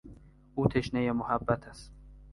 او تشنهی محبت است.